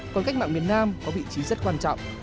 còn cách mạng miền nam có vị trí rất quan trọng